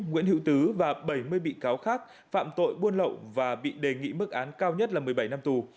nguyễn hữu tứ và bảy mươi bị cáo khác phạm tội buôn lậu và bị đề nghị mức án cao nhất là một mươi bảy năm tù